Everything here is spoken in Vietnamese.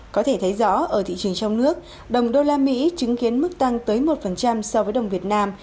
có thể thấy rõ ở thị trường trong nước đồng đô la mỹ chứng kiến mức tăng tới một so với đồng việt nam